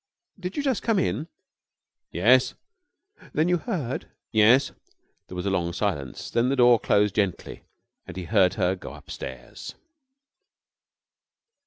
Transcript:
'Did you just come in?' 'Yes.' 'Then you heard?' 'Yes.' There was a long silence. Then the door closed gently and he heard her go upstairs.